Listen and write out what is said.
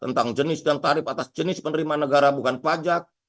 tentang jenis dan tarif atas jenis penerimaan negara bukan pajak